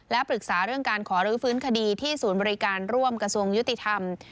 และปรึกษาเรื่องการขอรื้อฟื้นคดีที่ศูนย์บริการร่วมกระทรวงยุติธรรม